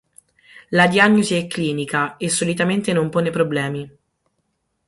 La diagnosi è clinica e solitamente non pone problemi.